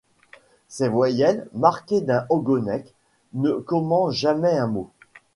Ces voyelles, marquées d'un ogonek, ne commencent jamais un mot.